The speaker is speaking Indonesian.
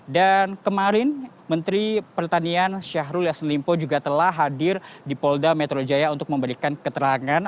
dan kemarin menteri pertanian syahrul yasin limpo juga telah hadir di polda metro jaya untuk memberikan keterangan